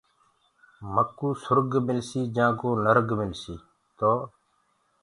مڪوٚ سُرگ ملسيٚ جآنٚ ڪو نرگ ملسيٚ۔ تو